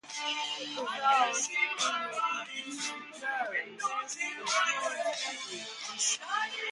It is housed in the Uffizi Gallery of Florence, Italy.